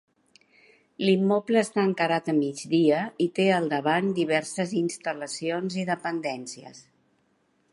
L'immoble està encarat a migdia i té al davant diverses instal·lacions i dependències.